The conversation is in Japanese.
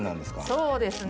そうですね。